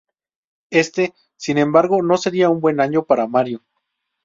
Éste, sin embargo, no sería un buen año para Mario.